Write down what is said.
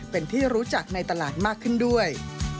เป็นที่รู้จักในตลาดมากขึ้นด้วย